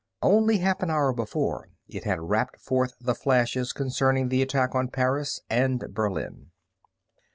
Only half an hour before it had rapped forth the flashes concerning the attack on Paris and Berlin.